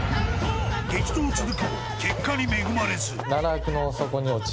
激闘続くも、結果に恵まれず。